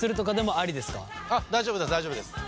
あっ大丈夫です大丈夫です。